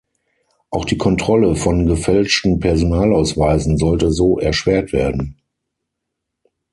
Auch die Kontrolle von gefälschten Personalausweisen sollte so erschwert werden.